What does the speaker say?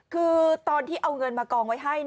คือตอนที่เอาเงินมากองไว้ให้